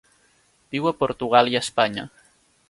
Viu a Portugal i Espanya.